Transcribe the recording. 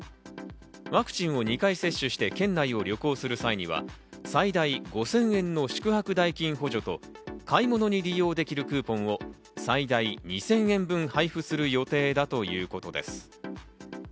ワクチンを２回接種して県内を旅行する際には、最大５０００円の宿泊代金補助と買い物に利用できるクーポンを最大２０００円分配布する予定だということです。